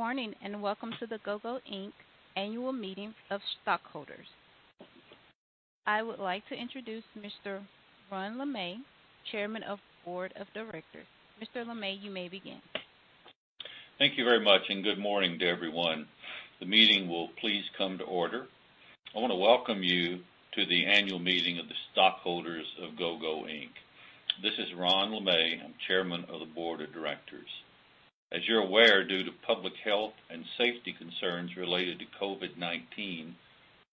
Good morning, and welcome to the Gogo Inc. annual meeting of stockholders. I would like to introduce Mr. Ron LeMay, Chairman of Board of Directors. Mr. LeMay, you may begin. Thank you very much, and good morning to everyone. The meeting will please come to order. I want to welcome you to the annual meeting of the stockholders of Gogo Inc. This is Ron LeMay, I'm Chairman of the Board of Directors. As you're aware, due to public health and safety concerns related to COVID-19,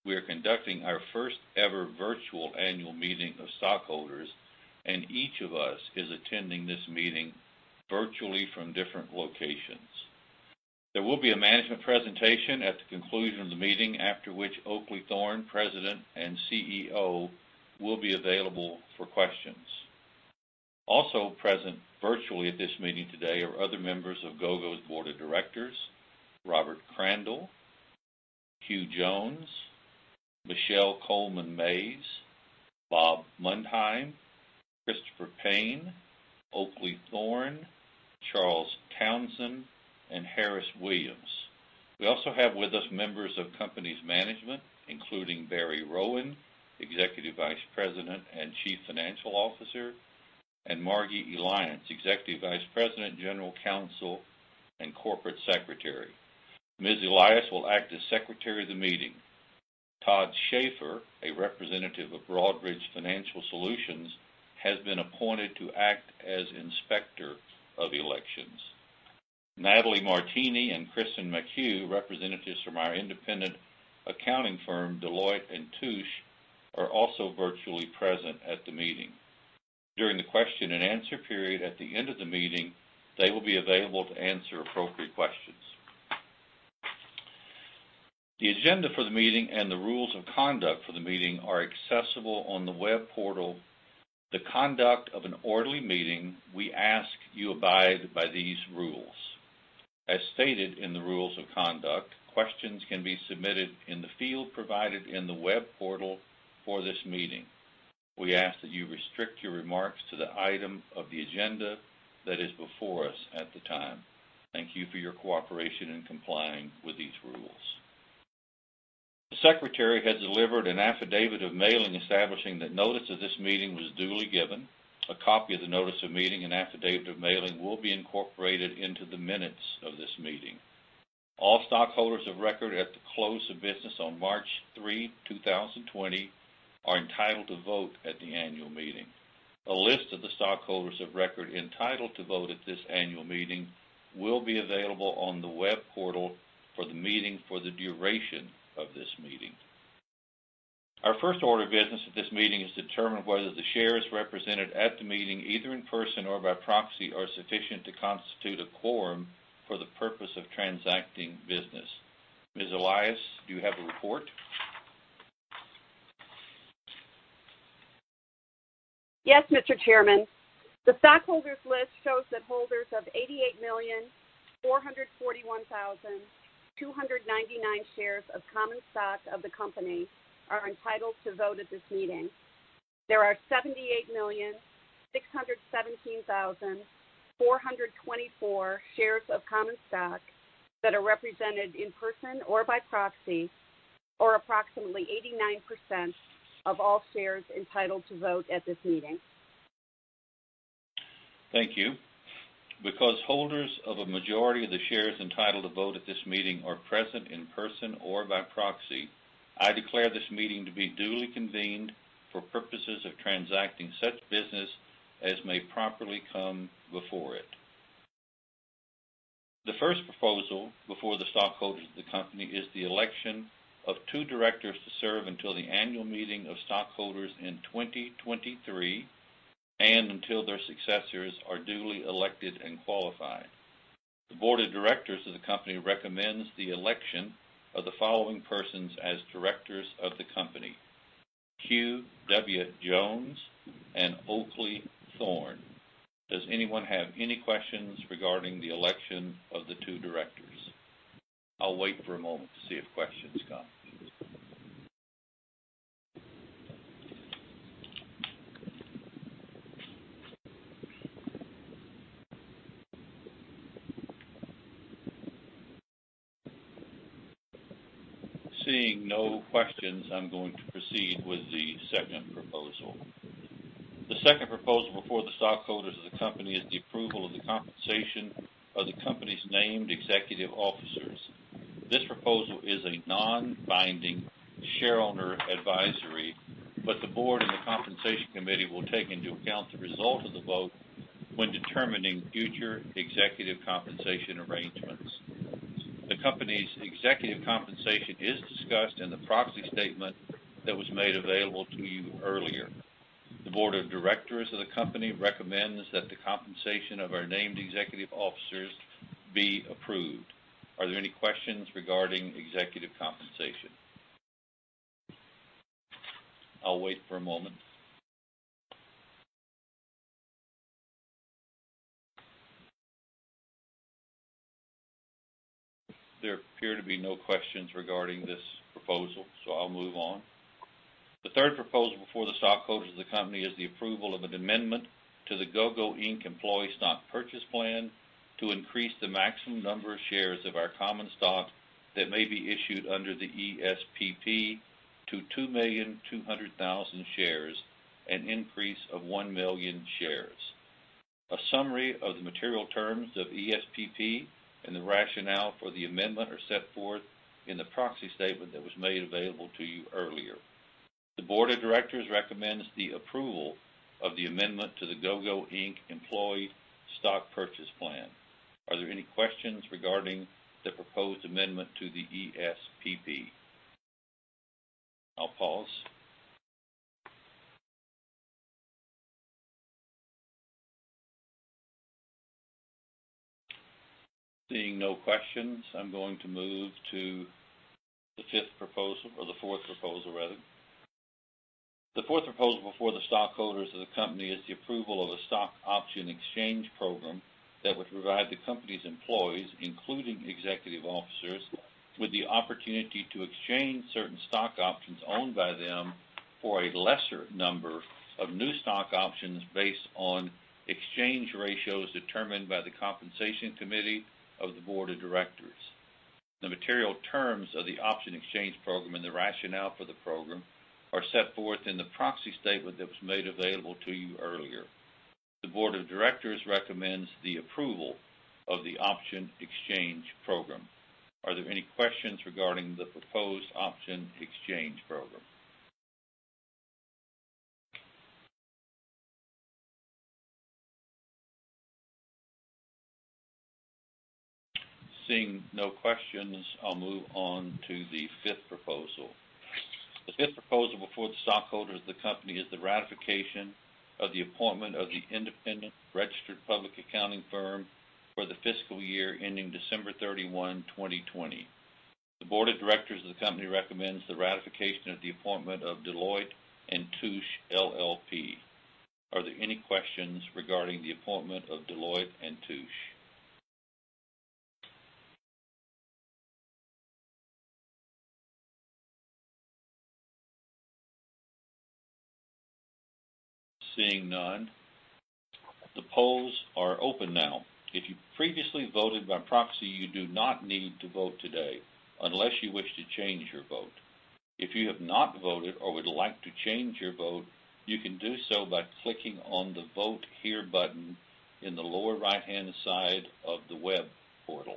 we are conducting our first ever virtual annual meeting of stockholders, and each of us is attending this meeting virtually from different locations. There will be a management presentation at the conclusion of the meeting, after which Oakleigh Thorne, President and CEO, will be available for questions. Also present virtually at this meeting today are other members of Gogo's Board of Directors, Robert Crandall, Hugh Jones, Michele Coleman Mayes, Bob Mundheim, Christopher Payne, Oakleigh Thorne, Charles Townsend, and Harris Williams. We also have with us members of company's management, including Barry Rowan, Executive Vice President and Chief Financial Officer, and Margee Elias, Executive Vice President, General Counsel, and Corporate Secretary. Ms. Elias will act as Secretary of the meeting. Todd Schaefer, a representative of Broadridge Financial Solutions, has been appointed to act as Inspector of Elections. Natalie Martini and Kristen McHugh, representatives from our independent accounting firm, Deloitte & Touche, are also virtually present at the meeting. During the question and answer period at the end of the meeting, they will be available to answer appropriate questions. The agenda for the meeting and the rules of conduct for the meeting are accessible on the web portal. The conduct of an orderly meeting, we ask you abide by these rules. As stated in the rules of conduct, questions can be submitted in the field provided in the web portal for this meeting. We ask that you restrict your remarks to the item of the agenda that is before us at the time. Thank you for your cooperation in complying with these rules. The Secretary has delivered an affidavit of mailing establishing that notice of this meeting was duly given. A copy of the notice of meeting and affidavit of mailing will be incorporated into the minutes of this meeting. All stockholders of record at the close of business on March 3, 2020 are entitled to vote at the annual meeting. A list of the stockholders of record entitled to vote at this annual meeting will be available on the web portal for the meeting for the duration of this meeting. Our first order of business at this meeting is to determine whether the shares represented at the meeting, either in person or by proxy, are sufficient to constitute a quorum for the purpose of transacting business. Ms. Elias, do you have a report? Yes, Mr. Chairman. The stockholders' list shows that holders of 88,441,299 shares of common stock of the company are entitled to vote at this meeting. There are 78,617,424 shares of common stock that are represented in person or by proxy, or approximately 89% of all shares entitled to vote at this meeting. Thank you. Because holders of a majority of the shares entitled to vote at this meeting are present in person or by proxy, I declare this meeting to be duly convened for purposes of transacting such business as may properly come before it. The first proposal before the stockholders of the company is the election of two directors to serve until the annual meeting of stockholders in 2023, and until their successors are duly elected and qualified. The Board of Directors of the company recommends the election of the following persons as directors of the company: Hugh W. Jones and Oakleigh Thorne. Does anyone have any questions regarding the election of the two directors? I'll wait for a moment to see if questions come. Seeing no questions, I'm going to proceed with the second proposal. The second proposal before the stockholders of the company is the approval of the compensation of the company's named executive officers. This proposal is a non-binding shareholder advisory. The Board and the Compensation Committee will take into account the result of the vote when determining future executive compensation arrangements. The company's executive compensation is discussed in the proxy statement that was made available to you earlier. The Board of Directors of the company recommends that the compensation of our named executive officers be approved. Are there any questions regarding executive compensation? I'll wait for a moment. There appear to be no questions regarding this proposal. I'll move on. The third proposal before the stockholders of the company is the approval of an amendment to the Gogo Inc. Employee Stock Purchase Plan to increase the maximum number of shares of our common stock that may be issued under the ESPP to 2,200,000 shares, an increase of 1 million shares. A summary of the material terms of ESPP and the rationale for the amendment are set forth in the proxy statement that was made available to you earlier. The Board of Directors recommends the approval of the amendment to the Gogo Inc. Employee Stock Purchase Plan. Are there any questions regarding the proposed amendment to the ESPP? I'll pause. Seeing no questions, I'm going to move to the fifth proposal, or the fourth proposal rather. The fourth proposal before the stockholders of the company is the approval of a Stock Option Exchange Program that would provide the company's employees, including executive officers, with the opportunity to exchange certain stock options owned by them for a lesser number of new stock options based on exchange ratios determined by the compensation committee of the Board of Directors. The material terms of the Option Exchange Program and the rationale for the program are set forth in the proxy statement that was made available to you earlier. The Board of Directors recommends the approval of the Option Exchange Program. Are there any questions regarding the proposed Option Exchange Program? Seeing no questions, I'll move on to the fifth proposal. The fifth proposal before the stockholders of the company is the ratification of the appointment of the independent registered public accounting firm for the fiscal year ending December 31, 2020. The Board of Directors of the company recommends the ratification of the appointment of Deloitte & Touche LLP. Are there any questions regarding the appointment of Deloitte & Touche? Seeing none, the polls are open now. If you previously voted by proxy, you do not need to vote today unless you wish to change your vote. If you have not voted or would like to change your vote, you can do so by clicking on the Vote Here button in the lower right-hand side of the web portal.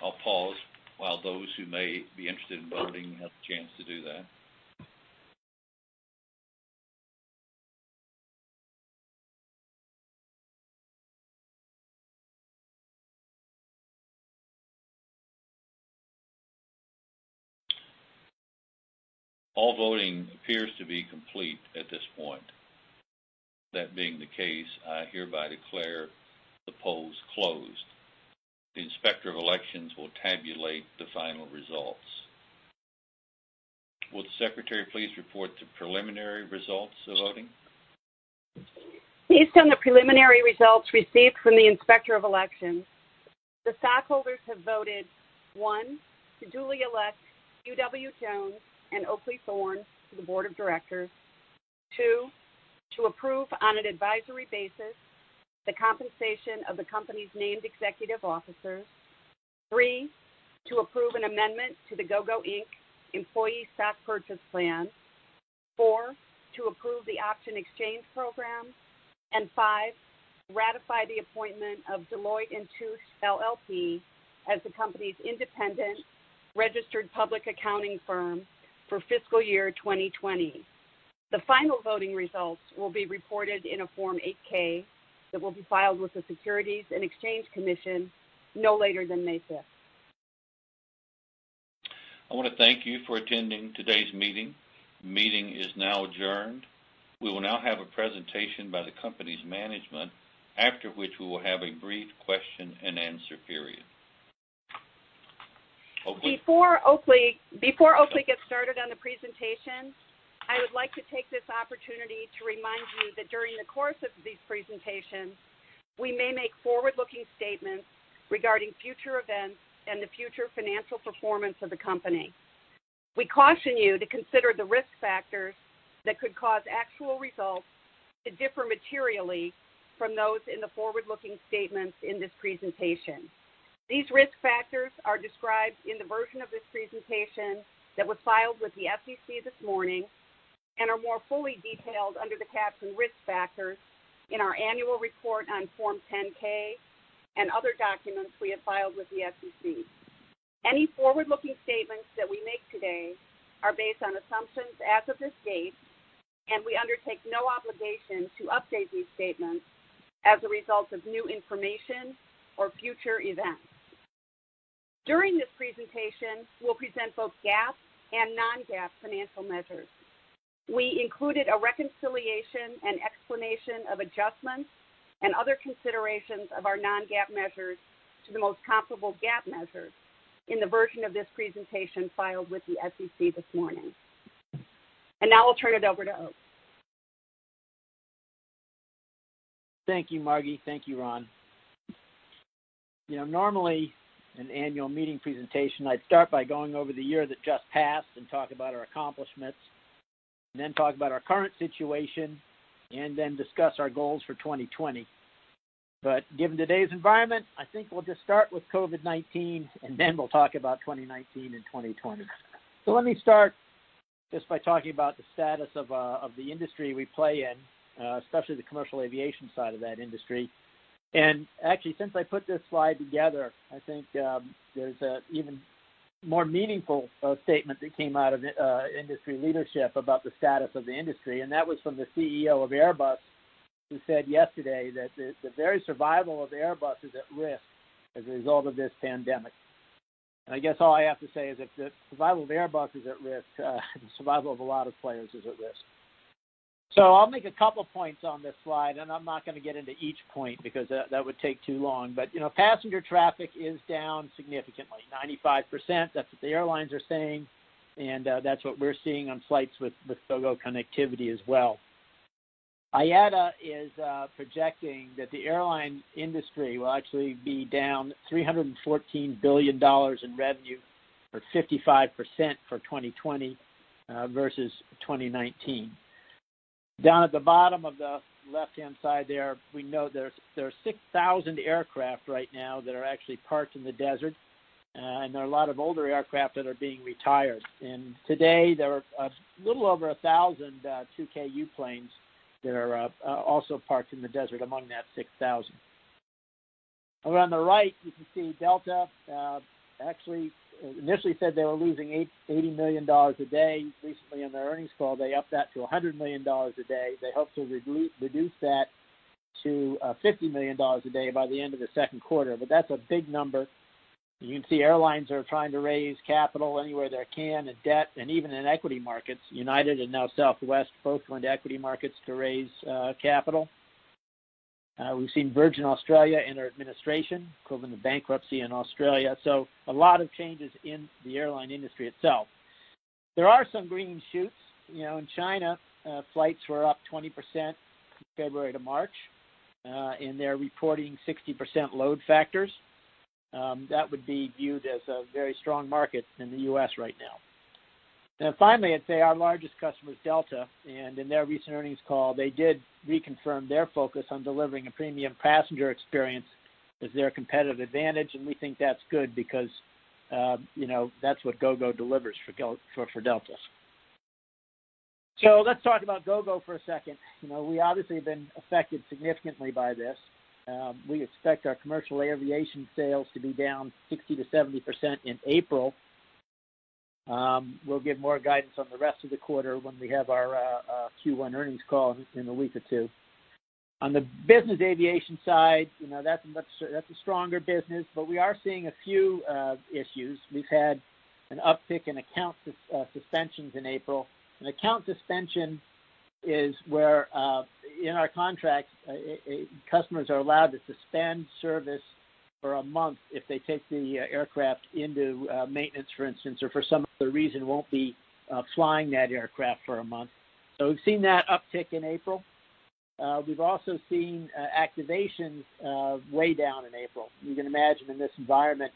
I'll pause while those who may be interested in voting have the chance to do that. All voting appears to be complete at this point. That being the case, I hereby declare the polls closed. The Inspector of Elections will tabulate the final results. Will the Secretary please report the preliminary results of voting? Based on the preliminary results received from the Inspector of Elections, the stockholders have voted, one, to duly elect Hugh W. Jones and Oakleigh Thorne to the Board of Directors. Two, to approve on an advisory basis the compensation of the company's named executive officers. Three, to approve an amendment to the Gogo Inc. Employee Stock Purchase Plan. Four, to approve the Option Exchange Program. five, ratify the appointment of Deloitte & Touche LLP as the company's independent registered public accounting firm for fiscal year 2020. The final voting results will be reported in a Form 8-K that will be filed with the Securities and Exchange Commission no later than May 5th. I want to thank you for attending today's meeting. The meeting is now adjourned. We will now have a presentation by the company's management, after which we will have a brief question-and-answer period. Oakleigh. Before Oakleigh gets started on the presentation, I would like to take this opportunity to remind you that during the course of these presentations, we may make forward-looking statements regarding future events and the future financial performance of the company. We caution you to consider the risk factors that could cause actual results to differ materially from those in the forward-looking statements in this presentation. These risk factors are described in the version of this presentation that was filed with the SEC this morning and are more fully detailed under the caption Risk Factors in our annual report on Form 10-K and other documents we have filed with the SEC. Any forward-looking statements that we make today are based on assumptions as of this date, and we undertake no obligation to update these statements as a result of new information or future events. During this presentation, we'll present both GAAP and non-GAAP financial measures. We included a reconciliation and explanation of adjustments and other considerations of our non-GAAP measures to the most comparable GAAP measures in the version of this presentation filed with the SEC this morning. Now I'll turn it over to Oakleigh. Thank you, Margee. Thank you, Ron. Normally, an annual meeting presentation, I'd start by going over the year that just passed and talk about our accomplishments, and then talk about our current situation, and then discuss our goals for 2020. Given today's environment, I think we'll just start with COVID-19, and then we'll talk about 2019 and 2020. Let me start just by talking about the status of the industry we play in, especially the commercial aviation side of that industry. Actually, since I put this slide together, I think there's an even more meaningful statement that came out of industry leadership about the status of the industry, and that was from the CEO of Airbus, who said yesterday that the very survival of Airbus is at risk as a result of this pandemic. I guess all I have to say is if the survival of Airbus is at risk, the survival of a lot of players is at risk. I'll make a couple points on this slide, and I'm not going to get into each point because that would take too long, but passenger traffic is down significantly, 95%. That's what the airlines are saying, and that's what we're seeing on flights with Gogo connectivity as well. IATA is projecting that the airline industry will actually be down $314 billion in revenue or 55% for 2020 versus 2019. Down at the bottom of the left-hand side there, we know there are 6,000 aircraft right now that are actually parked in the desert, and there are a lot of older aircraft that are being retired. Today, there are a little over 1,000 2Ku planes that are also parked in the desert among that 6,000. Over on the right, you can see Delta initially said they were losing $80 million a day. Recently on their earnings call, they upped that to $100 million a day. They hope to reduce that to $50 million a day by the end of the second quarter, but that's a big number. You can see airlines are trying to raise capital anywhere they can, in debt and even in equity markets. United and now Southwest both went to equity markets to raise capital. We've seen Virgin Australia enter administration, equivalent to bankruptcy in Australia. A lot of changes in the airline industry itself. There are some green shoots. In China, flights were up 20% February to March, and they're reporting 60% load factors. That would be viewed as a very strong market in the U.S. right now. Finally, I'd say our largest customer is Delta, and in their recent earnings call, they did reconfirm their focus on delivering a premium passenger experience as their competitive advantage, and we think that's good because that's what Gogo delivers for Delta. Let's talk about Gogo for a second. We obviously have been affected significantly by this. We expect our commercial aviation sales to be down 60%-70% in April. We'll give more guidance on the rest of the quarter when we have our Q1 earnings call in a week or two. On the business aviation side, that's a stronger business, but we are seeing a few issues. We've had an uptick in account suspensions in April. An account suspension is where, in our contract, customers are allowed to suspend service for a month if they take the aircraft into maintenance, for instance, or for some other reason won't be flying that aircraft for a month. We've seen that uptick in April. We've also seen activations way down in April. You can imagine in this environment,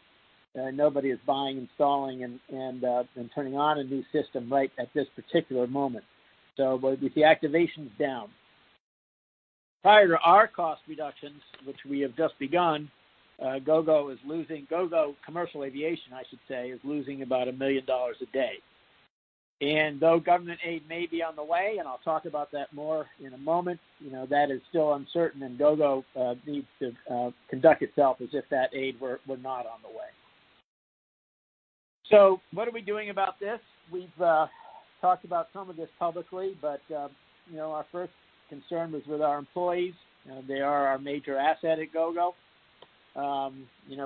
nobody is buying, installing, and turning on a new system right at this particular moment. We see activations down. Prior to our cost reductions, which we have just begun, Gogo Commercial Aviation is losing about $1 million a day. Though government aid may be on the way, and I'll talk about that more in a moment, that is still uncertain, and Gogo needs to conduct itself as if that aid were not on the way. What are we doing about this? We've talked about some of this publicly. Our first concern was with our employees. They are our major asset at Gogo.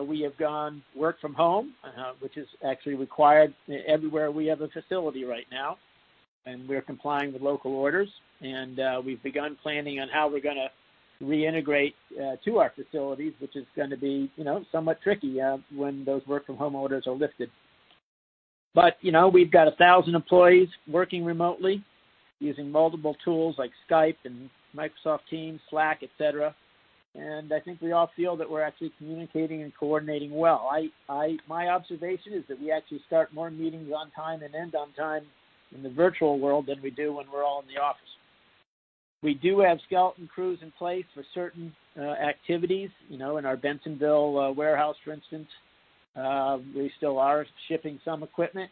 We have gone work from home, which is actually required everywhere we have a facility right now, and we're complying with local orders, and we've begun planning on how we're going to reintegrate to our facilities, which is going to be somewhat tricky when those work from home orders are lifted. We've got 1,000 employees working remotely using multiple tools like Skype and Microsoft Teams, Slack, et cetera. I think we all feel that we're actually communicating and coordinating well. My observation is that we actually start more meetings on time and end on time in the virtual world than we do when we're all in the office. We do have skeleton crews in place for certain activities. In our Bensenville warehouse, for instance, we still are shipping some equipment,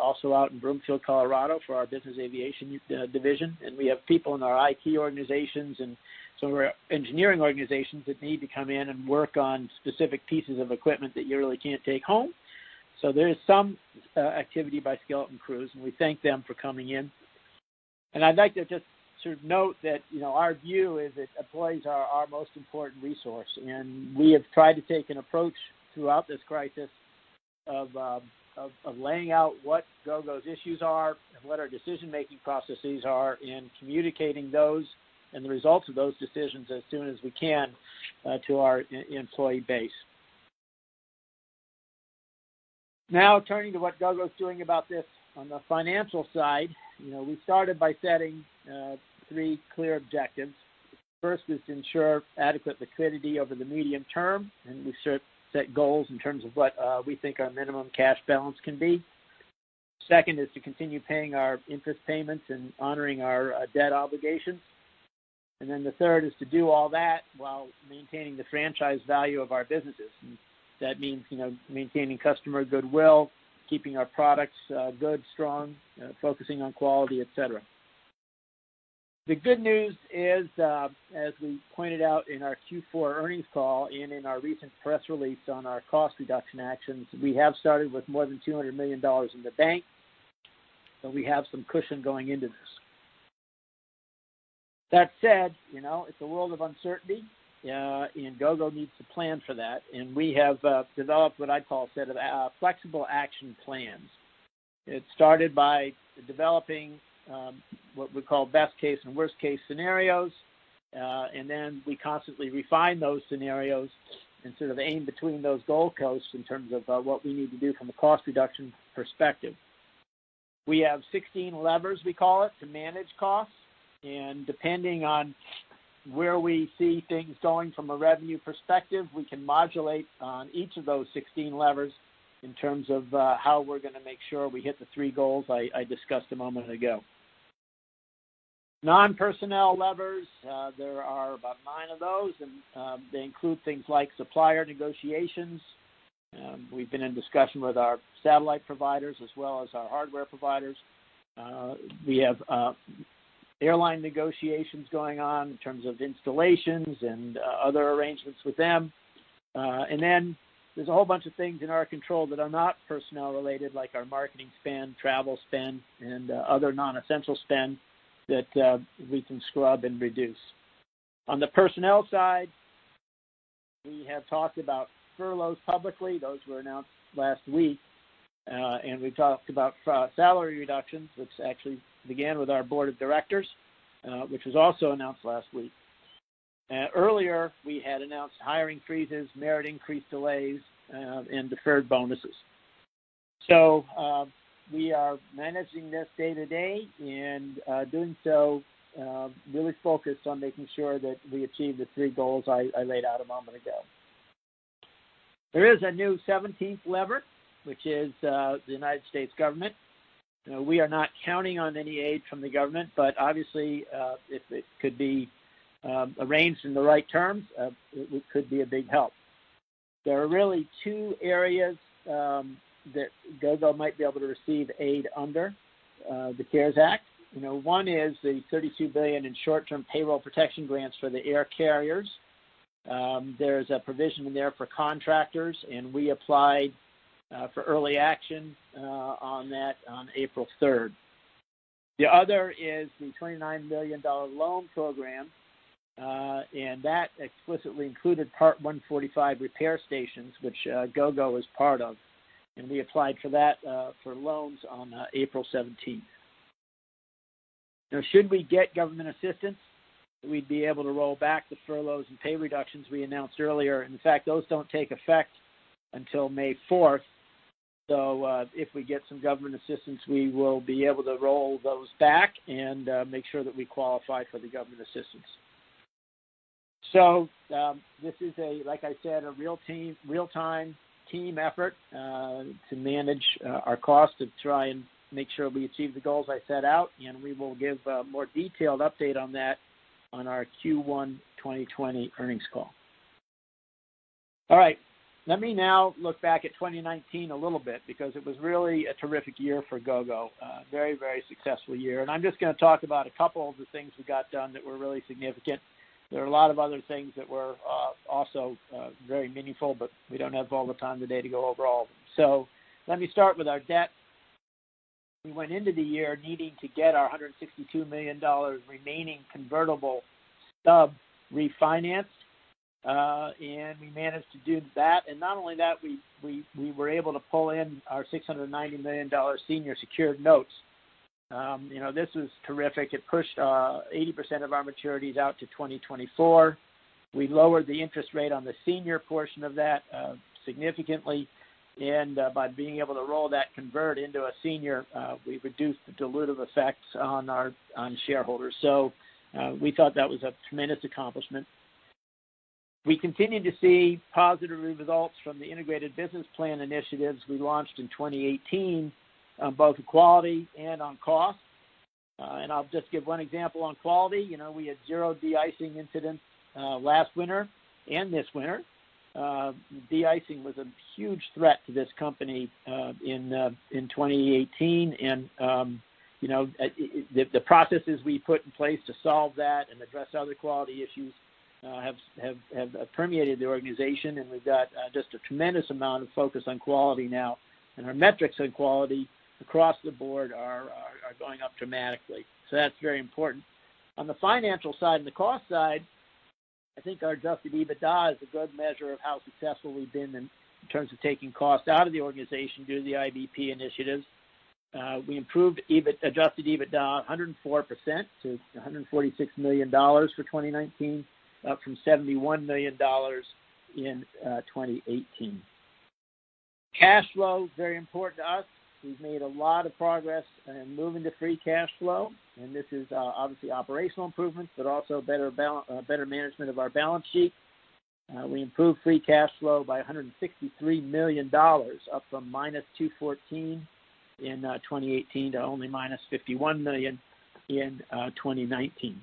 also out in Broomfield, Colorado, for our business aviation division. We have people in our IT organizations and some of our engineering organizations that need to come in and work on specific pieces of equipment that you really can't take home. There is some activity by skeleton crews, and we thank them for coming in. I'd like to just note that our view is that employees are our most important resource, and we have tried to take an approach throughout this crisis of laying out what Gogo's issues are and what our decision-making processes are and communicating those and the results of those decisions as soon as we can to our employee base. Now turning to what Gogo's doing about this on the financial side. We started by setting three clear objectives. The first is to ensure adequate liquidity over the medium term, and we set goals in terms of what we think our minimum cash balance can be. Second is to continue paying our interest payments and honoring our debt obligations. The third is to do all that while maintaining the franchise value of our businesses. That means maintaining customer goodwill, keeping our products good, strong, focusing on quality, et cetera. The good news is, as we pointed out in our Q4 earnings call and in our recent press release on our cost reduction actions, we have started with more than $200 million in the bank, and we have some cushion going into this. That said, it's a world of uncertainty, and Gogo needs to plan for that, and we have developed what I call a set of flexible action plans. It started by developing what we call best case and worst case scenarios, and then we constantly refine those scenarios and sort of aim between those goalposts in terms of what we need to do from a cost reduction perspective. We have 16 levers, we call it, to manage costs, and depending on where we see things going from a revenue perspective, we can modulate on each of those 16 levers in terms of how we're going to make sure we hit the three goals I discussed a moment ago. Non-personnel levers, there are about nine of those, and they include things like supplier negotiations. We've been in discussion with our satellite providers as well as our hardware providers. We have airline negotiations going on in terms of installations and other arrangements with them. There's a whole bunch of things in our control that are not personnel related, like our marketing spend, travel spend and other non-essential spend that we can scrub and reduce. On the personnel side, we have talked about furloughs publicly. Those were announced last week. We talked about salary reductions, which actually began with our Board of Directors, which was also announced last week. Earlier, we had announced hiring freezes, merit increase delays, and deferred bonuses. We are managing this day to day and doing so really focused on making sure that we achieve the three goals I laid out a moment ago. There is a new 17th lever, which is the United States government. We are not counting on any aid from the government, but obviously, if it could be arranged in the right terms, it could be a big help. There are really two areas that Gogo might be able to receive aid under the CARES Act. One is the $32 billion in short-term payroll protection grants for the air carriers. There's a provision in there for contractors, and we applied for early action on that on April 3rd. The other is the $29 million loan program, and that explicitly included Part 145 repair stations, which Gogo is part of. We applied for that for loans on April 17th. Now, should we get government assistance, we'd be able to roll back the furloughs and pay reductions we announced earlier. In fact, those don't take effect until May 4th. If we get some government assistance, we will be able to roll those back and make sure that we qualify for the government assistance. This is, like I said, a real-time team effort to manage our cost to try and make sure we achieve the goals I set out, and we will give a more detailed update on that on our Q1 2020 earnings call. All right. Let me now look back at 2019 a little bit because it was really a terrific year for Gogo. A very, very successful year. I'm just going to talk about a couple of the things we got done that were really significant. There are a lot of other things that were also very meaningful, but we don't have all the time today to go over all of them. Let me start with our debt. We went into the year needing to get our $162 million remaining convertible stub-refinanced, and we managed to do that. Not only that, we were able to pull in our $690 million senior secured notes. This was terrific. It pushed 80% of our maturities out to 2024. We lowered the interest rate on the senior portion of that significantly, and by being able to roll that convert into a senior, we reduced the dilutive effects on shareholders. We thought that was a tremendous accomplishment. We continued to see positive results from the Integrated Business Plan initiatives we launched in 2018 on both quality and on cost. I'll just give one example on quality. We had zero de-icing incidents last winter and this winter. De-icing was a huge threat to this company in 2018. The processes we put in place to solve that and address other quality issues have permeated the organization. We've got just a tremendous amount of focus on quality now. Our metrics on quality across the board are going up dramatically. That's very important. On the financial side and the cost side, I think our adjusted EBITDA is a good measure of how successful we've been in terms of taking cost out of the organization due to the IBP initiatives. We improved adjusted EBITDA 104% to $146 million for 2019, up from $71 million in 2018. Cash flow is very important to us. We've made a lot of progress in moving to free cash flow. This is obviously operational improvements, but also better management of our balance sheet. We improved free cash flow by $163 million, up from -$214 million in 2018 to only -$51 million in 2019.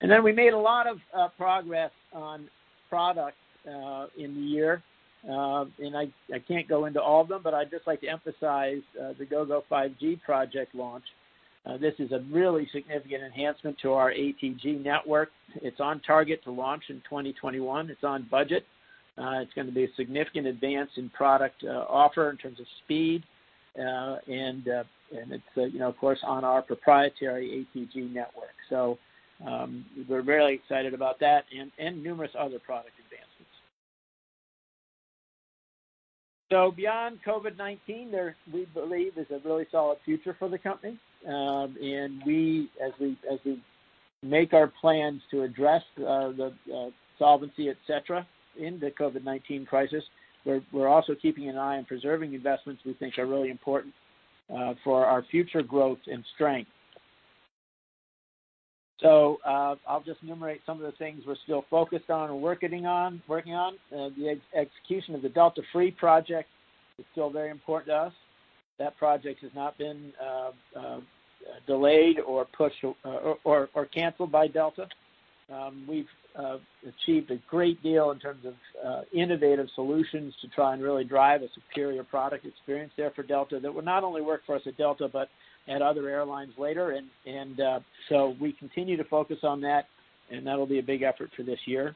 Then we made a lot of progress on products in the year. I can't go into all of them, but I'd just like to emphasize the Gogo 5G project launch. This is a really significant enhancement to our ATG network. It's on target to launch in 2021. It's on budget. It's going to be a significant advance in product offer in terms of speed. It's of course, on our proprietary ATG network. We're very excited about that and numerous other product advancements. Beyond COVID-19, we believe there's a really solid future for the company. As we make our plans to address the solvency, et cetera, in the COVID-19 crisis, we're also keeping an eye on preserving investments we think are really important for our future growth and strength. I'll just enumerate some of the things we're still focused on or working on. The execution of the Delta Free project is still very important to us. That project has not been delayed or pushed or canceled by Delta. We've achieved a great deal in terms of innovative solutions to try and really drive a superior product experience there for Delta that will not only work for us at Delta but at other airlines later. We continue to focus on that, and that'll be a big effort for this year.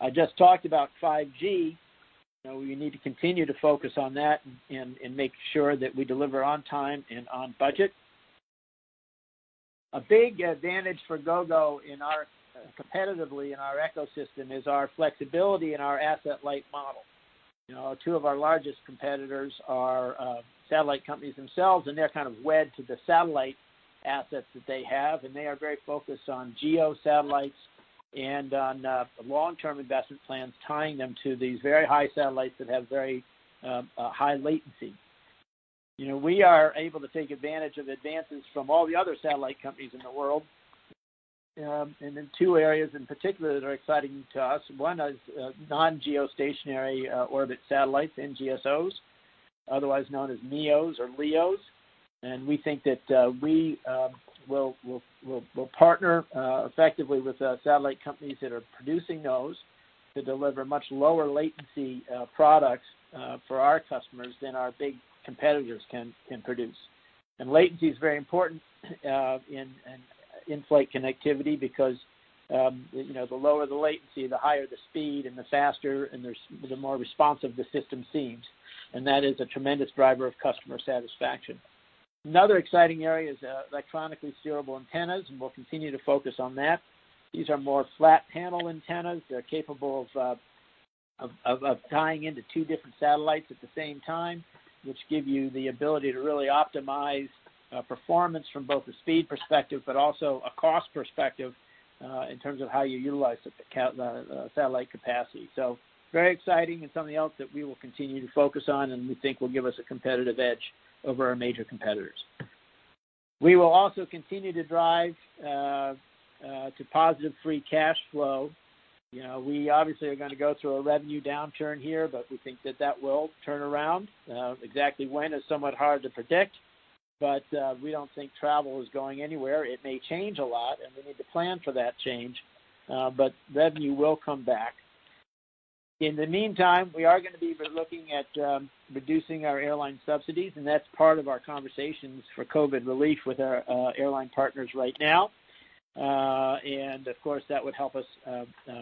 I just talked about 5G. We need to continue to focus on that and make sure that we deliver on time and on budget. A big advantage for Gogo competitively in our ecosystem is our flexibility and our asset-light model. Two of our largest competitors are satellite companies themselves, and they're kind of wed to the satellite assets that they have, and they are very focused on geo satellites and on long-term investment plans, tying them to these very high satellites that have very high latency. We are able to take advantage of advances from all the other satellite companies in the world. In two areas in particular that are exciting to us, one is non-geostationary orbit satellites, NGSOs, otherwise known as MEOs or LEOs. We think that we will partner effectively with satellite companies that are producing those to deliver much lower latency products for our customers than our big competitors can produce. Latency is very important in in-flight connectivity because the lower the latency, the higher the speed and the faster and the more responsive the system seems. That is a tremendous driver of customer satisfaction. Another exciting area is electronically steerable antennas, and we'll continue to focus on that. These are more flat panel antennas. They're capable of tying into two different satellites at the same time, which give you the ability to really optimize performance from both a speed perspective, but also a cost perspective in terms of how you utilize the satellite capacity. Very exciting and something else that we will continue to focus on and we think will give us a competitive edge over our major competitors. We will also continue to drive to positive free cash flow. We obviously are going to go through a revenue downturn here, but we think that that will turn around. Exactly when is somewhat hard to predict, but we don't think travel is going anywhere. It may change a lot, and we need to plan for that change, but revenue will come back. In the meantime, we are going to be looking at reducing our airline subsidies, and that's part of our conversations for COVID relief with our airline partners right now. Of course, that would help us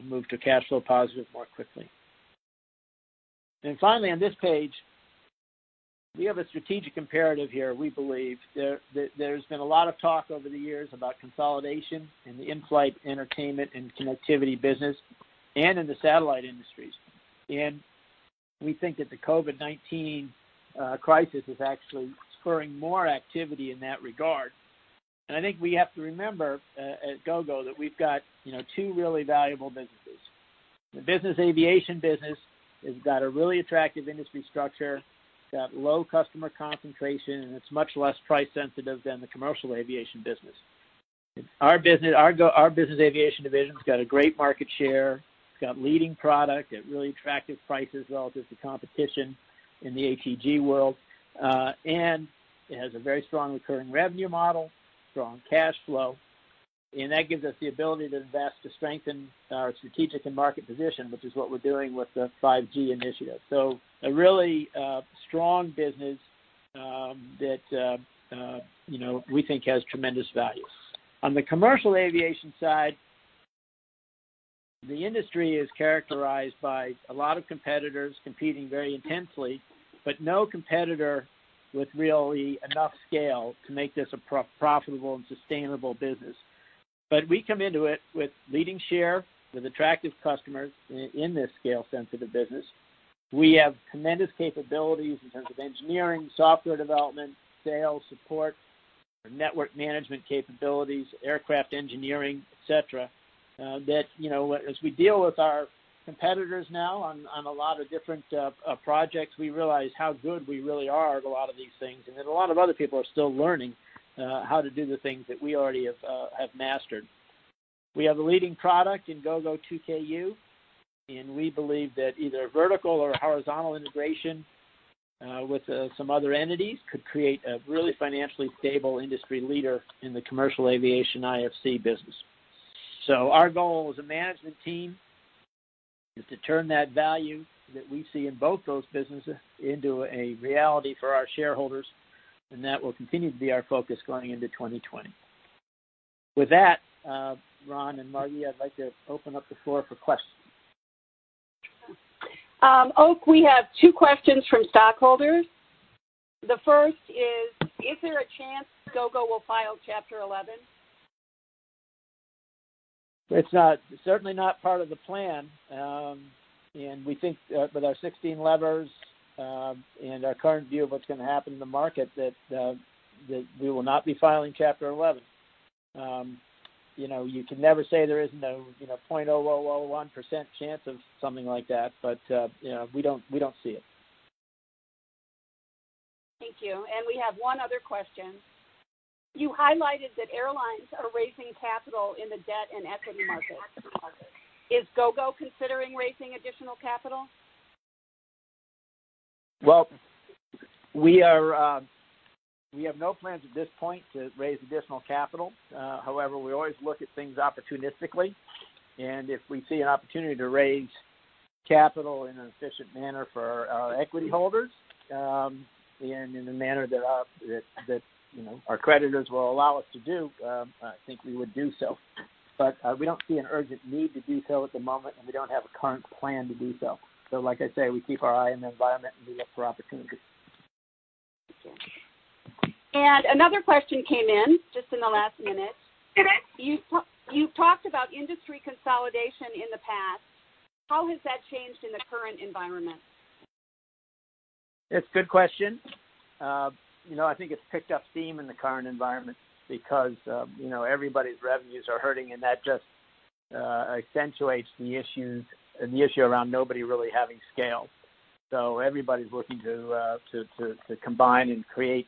move to cash flow positive more quickly. Finally, on this page, we have a strategic imperative here, we believe. There's been a lot of talk over the years about consolidation in the in-flight entertainment and connectivity business and in the satellite industries. We think that the COVID-19 crisis is actually spurring more activity in that regard. I think we have to remember at Gogo that we've got two really valuable businesses. The Business Aviation business has got a really attractive industry structure, got low customer concentration, and it's much less price sensitive than the Commercial Aviation business. Our Business Aviation division's got a great market share. It's got leading product at really attractive prices relative to competition in the ATG world. It has a very strong recurring revenue model, strong cash flow, and that gives us the ability to invest to strengthen our strategic and market position, which is what we're doing with the 5G initiative. A really strong business that we think has tremendous value. On the commercial aviation side, the industry is characterized by a lot of competitors competing very intensely, but no competitor with really enough scale to make this a profitable and sustainable business. We come into it with leading share, with attractive customers in this scale sense of the business. We have tremendous capabilities in terms of engineering, software development, sales support, network management capabilities, aircraft engineering, et cetera, that as we deal with our competitors now on a lot of different projects, we realize how good we really are at a lot of these things. A lot of other people are still learning how to do the things that we already have mastered. We have a leading product in Gogo 2Ku, and we believe that either vertical or horizontal integration with some other entities could create a really financially stable industry leader in the commercial aviation IFC business. Our goal as a management team is to turn that value that we see in both those businesses into a reality for our shareholders, and that will continue to be our focus going into 2020. With that, Ron and Margee, I'd like to open up the floor for questions. Oak, we have two questions from stockholders. The first is there a chance Gogo will file Chapter 11? It's certainly not part of the plan. We think with our 16 levers and our current view of what's going to happen in the market, that we will not be filing Chapter 11. You can never say there isn't a 0.0001% chance of something like that. We don't see it. Thank you. We have one other question. You highlighted that airlines are raising capital in the debt and equity markets. Is Gogo considering raising additional capital? Well, we have no plans at this point to raise additional capital. However, we always look at things opportunistically, and if we see an opportunity to raise capital in an efficient manner for our equity holders and in a manner that our creditors will allow us to do, I think we would do so. We don't see an urgent need to do so at the moment, and we don't have a current plan to do so. Like I say, we keep our eye on the environment and be up for opportunities. Thank you. Another question came in just in the last minute. You've talked about industry consolidation in the past. How has that changed in the current environment? It's a good question. I think it's picked up steam in the current environment because everybody's revenues are hurting, and that just accentuates the issue around nobody really having scale. Everybody's looking to combine and create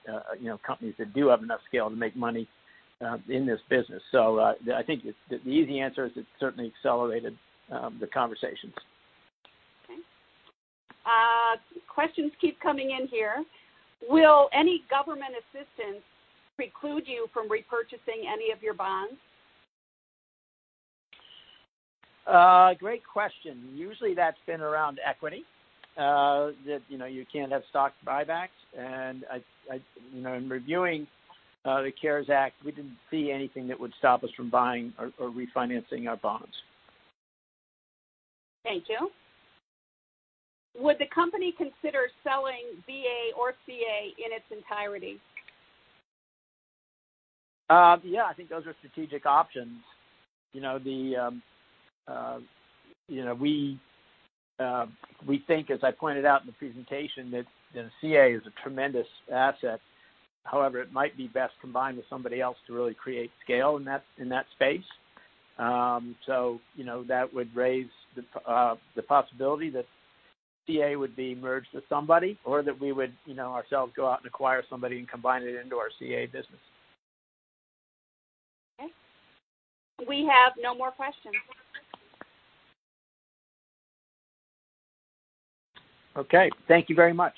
companies that do have enough scale to make money in this business. I think the easy answer is it certainly accelerated the conversations. Okay. Questions keep coming in here. Will any government assistance preclude you from repurchasing any of your bonds? Great question. Usually, that's been around equity, that you can't have stock buybacks. In reviewing the CARES Act, we didn't see anything that would stop us from buying or refinancing our bonds. Thank you. Would the company consider selling BA or CA in its entirety? Yeah, I think those are strategic options. We think, as I pointed out in the presentation, that CA is a tremendous asset. However, it might be best combined with somebody else to really create scale in that space. That would raise the possibility that CA would be merged with somebody or that we would ourselves go out and acquire somebody and combine it into our CA business. Okay. We have no more questions. Okay. Thank you very much.